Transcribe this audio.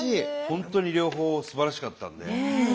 本当に両方すばらしかったので。